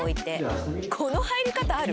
この入り方ある？